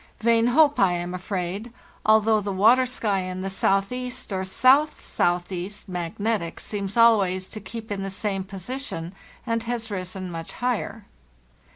Vain hope, I am afraid, although the water sky in the southeast or south southeast (magnetic) seems. al ways to keep in the same position and has risen much higher.